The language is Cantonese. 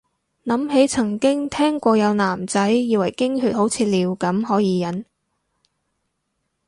諗起曾經聽過有男仔以為經血好似尿咁可以忍